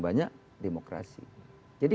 banyak demokrasi jadi